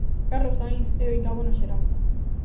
Carlos Sainz é oitavo na xeral.